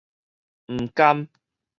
毋甘